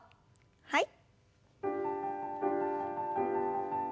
はい。